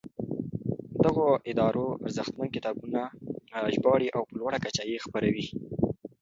دغو ادارو ارزښتمن کتابونه ژباړي او په لوړه کچه یې خپروي.